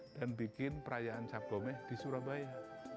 dan bikin perayaan cap gomeh di surabaya